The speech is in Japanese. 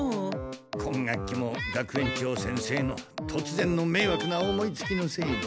今学期も学園長先生のとつぜんのめいわくな思いつきのせいで。